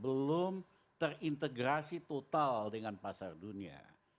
belum terintegrasi total dengan pasar dunia